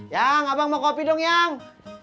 ya abang mau kopi dong yang